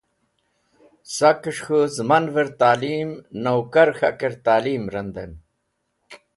Sakẽs̃h k̃hũ zẽmqnvẽr talim nokar k̃hakẽr talim randẽn